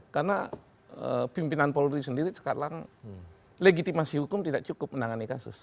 karena pimpinan polisi sendiri sekarang legitimasi hukum tidak cukup menangani kasus